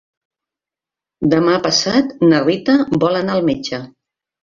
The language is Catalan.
Demà passat na Rita vol anar al metge.